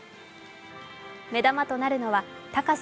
目玉となるのは高さ